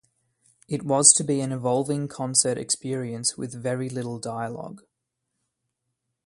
It was to be an evolving concert experience with very little dialogue.